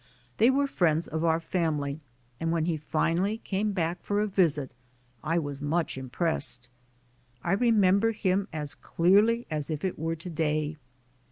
They were friends of our family, and when he finally came back for a visit, I was much impressed. I re member him as clearly as if it were to day.